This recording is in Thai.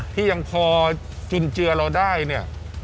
ที่ยังพอจุนเจือเราได้เนี่ย